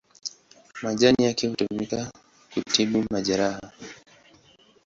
Majani yake hutumika kutibu majeraha.